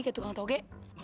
kayak tukang toge